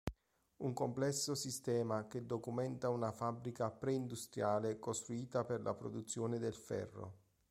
Un complesso sistema che documenta una fabbrica pre-industriale costruita per la produzione del ferro.